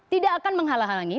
tidak akan menghalangi